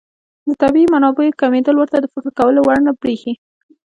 د طبیعي منابعو کمېدل ورته د فکر کولو وړ نه بريښي.